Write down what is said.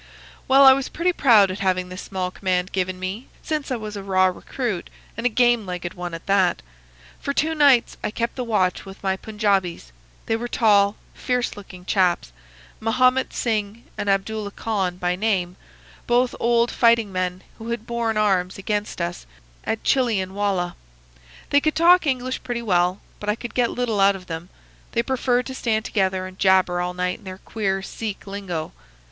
"Well, I was pretty proud at having this small command given me, since I was a raw recruit, and a game legged one at that. For two nights I kept the watch with my Punjaubees. They were tall, fierce looking chaps, Mahomet Singh and Abdullah Khan by name, both old fighting men who had borne arms against us at Chilian wallah. They could talk English pretty well, but I could get little out of them. They preferred to stand together and jabber all night in their queer Sikh lingo.